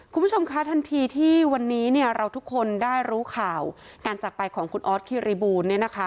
คุณผู้ชมคะทันทีที่วันนี้เราทุกคนได้รู้ข่าวการจักรไปของคุณออสกิริบูล